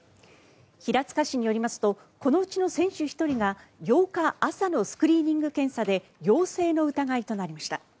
平塚市によりますとこのうちの選手１人が８日朝のスクリーニング検査で陽性の疑いとなりました。